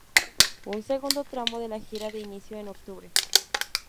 Un segundo tramo de la gira da inicio en octubre.